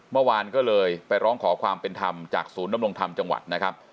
เมื่อวานก็เลยไปร้องขอความเป็นธรรมจากศูนย์ดำรงธรรมจังหวัดนะครับ